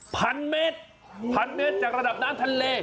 พันเมตรพันเมตรจากระดับน้ำทะเล